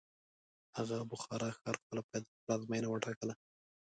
هغه بخارا ښار خپله پلازمینه وټاکله.